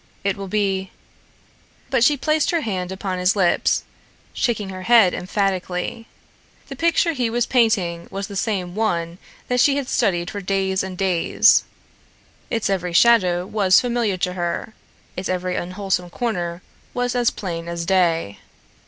It will be " But she placed her hand upon his lips, shaking her head emphatically. The picture he was painting was the same one that she had studied for days and days. Its every shadow was familiar to her, its every unwholesome corner was as plain as day.